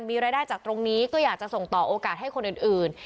มีรายได้จากตรงนี้ก็อยากจะส่งต่อโอกาสให้คนอื่น